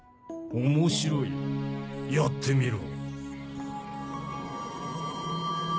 面白いやってみろ。